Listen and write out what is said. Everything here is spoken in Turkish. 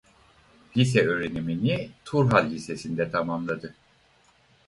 Lise öğrenimini Turhal Lisesi'nde tamamladı.